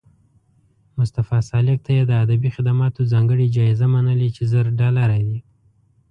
مصطفی سالک ته یې د ادبي خدماتو ځانګړې جایزه منلې چې زر ډالره دي